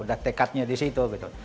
udah tekadnya di situ gitu